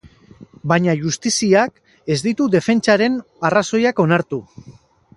Baina justiziak ez ditu defentsaren arrazoiak onartu.